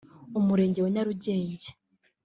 Umurenge wa Nyarugenge